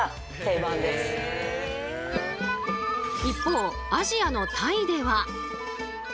一方アジアのタイでは。